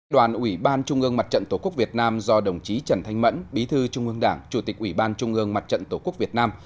đoàn ủy ban trung ương mặt trận tổ quốc việt nam do đồng chí trần thanh mẫn bí thư trung ương đảng chủ tịch ủy ban trung ương mặt trận tổ quốc việt nam